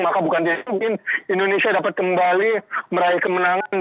maka bukan dia mungkin indonesia dapat kembali meraih kemenangan